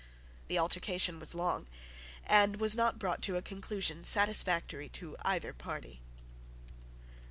The altercation was long, and was not brought to a conclusion satisfactory to either party.